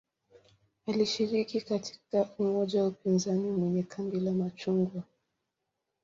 Alishiriki katika umoja wa upinzani kwenye "kambi la machungwa".